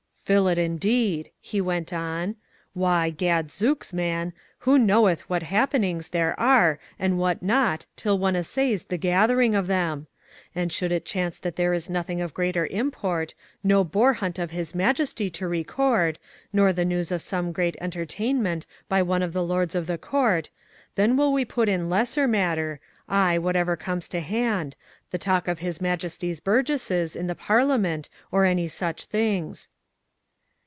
"Fill it, indeed," he went on. "Why, Gad Zooks! man! who knoweth what happenings there are and what not till one essays the gathering of them! And should it chance that there is nothing of greater import, no boar hunt of his Majesty to record, nor the news of some great entertainment by one of the Lords of the Court, then will we put in lesser matter, aye whatever comes to hand, the talk of his Majesty's burgesses in the Parliament or any such things."